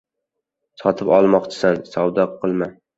• Sotib olmoqchimisan — savdo qilma.